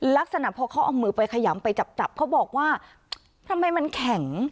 ลักษณะพอเขาเอามือไปขยำไปจับจับเขาบอกว่าทำไมมันแข็ง